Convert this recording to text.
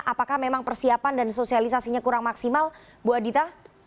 apakah memang persiapan dan sosialisasinya kurang maksimal bu adita